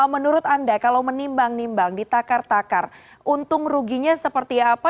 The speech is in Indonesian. menurut anda kalau menimbang nimbang ditakar takar untung ruginya seperti apa